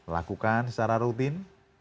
lakukan secara rutin